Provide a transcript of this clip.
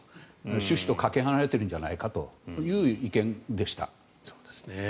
趣旨とかけ離れてるんじゃないかという意見でした。